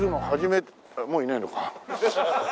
もういないのか。